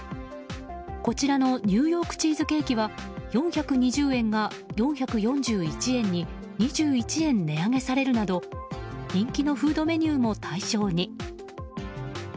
こちらのニューヨークチーズケーキは４２０円が４４１円に２１円、値上げされるなど人気のフードメニューも対象に。